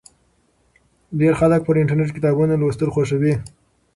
ډیر خلک پر انټرنېټ کتابونه لوستل خوښوي.